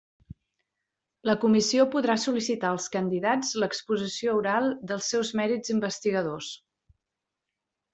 La Comissió podrà sol·licitar als candidats l'exposició oral dels seus mèrits investigadors.